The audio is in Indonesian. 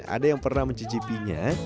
ada yang pernah mencicipinya